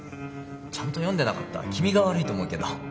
ちゃんと読んでなかった君が悪いと思うけど。